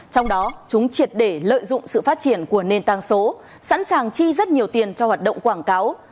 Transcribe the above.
trong đó chúng triệt để lợi dụng sự phát triển của nền tăng số sẵn sàng chi rất nhiều tiền cho hoạt động quảng cáo